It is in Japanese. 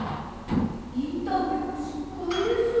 インタビューしっぱいです。